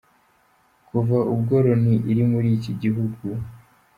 Kuva ubwo Loni iri muri iki gihugu.